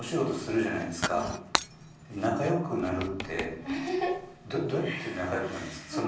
仲良くなるってどうやって仲良くなるんですか？